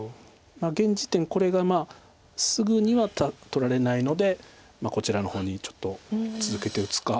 現時点これがすぐには取られないのでこちらの方にちょっと続けて打つか。